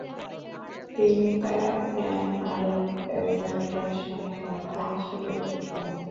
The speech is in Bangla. তিনি তার প্যান-আরব এজেন্ডার সামনে বাধা হিসেবে দেখতেন।